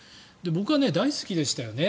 僕は大好きでしたよね